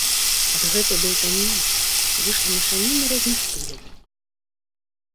Ад гэтай блытаніны выйшла мешаніна розных стыляў.